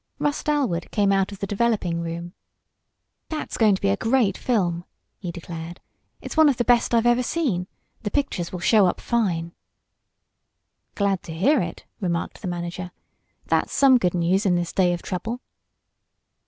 Russ Dalwood came out of the developing room. "That's going to be a great film!" he declared. It's one of the best I've ever seen. The pictures will show up fine." "Glad to hear it," remarked the manager. "That's some good news in this day of trouble."